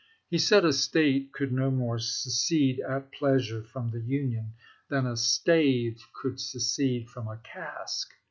He said a State could no more secede at pleasure from the Union than a stave could secede from a cask.